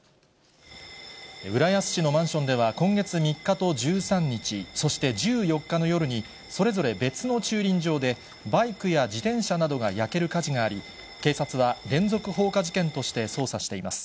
浦安市のマンションでは今月３日と１３日、そして１４日の夜に、それぞれ別の駐輪場で、バイクや自転車などが焼ける火事があり、警察は連続放火事件として捜査しています。